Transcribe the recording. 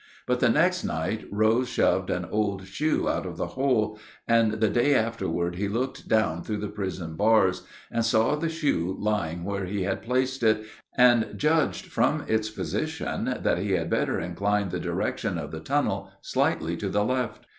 But the next night Rose shoved an old shoe out of the hole, and the day afterward he looked down through the prison bars and saw the shoe lying where he had placed it, and judged from its position that he had better incline the direction of the tunnel slightly to the left.